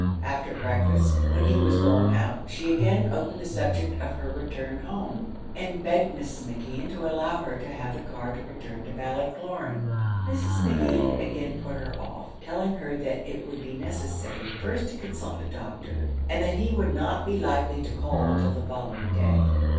After breakfast, when he was gone out, she again opened the subject of her return home, and begged Mrs. McKeon to allow her to have the car to return to Ballycloran. Mrs. McKeon again put her off, telling her that it would be necessary first to consult the doctor, and that he would not be likely to call till the following day.